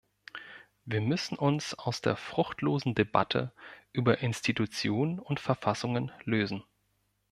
Wir müssen uns aus der fruchtlosen Debatte über Institutionen und Verfassungen lösen.